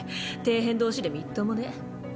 底辺同士でみっともねぇ。